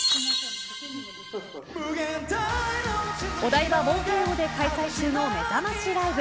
お台場冒険王で開催中のめざましライブ。